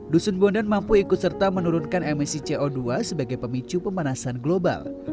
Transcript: dusun bondan mampu ikut serta menurunkan emisi co dua sebagai pemicu pemanasan global